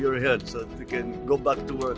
supaya anda bisa kembali ke dunia dan berkembang